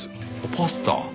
パスタ。